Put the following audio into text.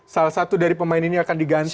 salah satu dari pemain ini akan diganti